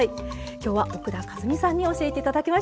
今日は奥田和美さんに教えていただきました。